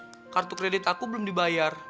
karena kartu kredit aku belum dibayar